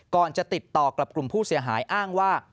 ก่อนจะติดต่อกับกลุ่มผู้เสียหายอ้างว่า